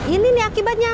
ini nih akibatnya